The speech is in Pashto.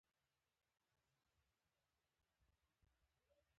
وږم یم ، سنبل یمه لولی مې کنه